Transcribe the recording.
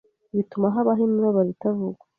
bituma habaho imibabaro itavugwa